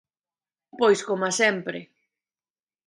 Pois coma sempre.